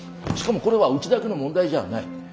しかもこれはうちだけの問題じゃない。